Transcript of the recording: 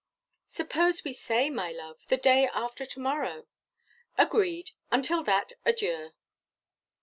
"Suppose we say, my love, the day after to morrow." "Agreed; until that, adieu."